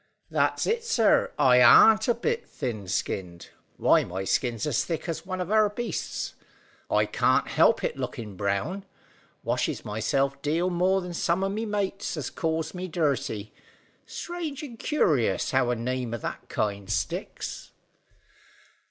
"That's it, sir. I arn't a bit thin skinned. Why, my skin's as thick as one of our beasts. I can't help it lookin' brown. Washes myself deal more than some o' my mates as calls me dirty. Strange and curious how a name o' that kind sticks."